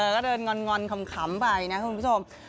ก็เดินงอนขำไปนะคุณผู้ชม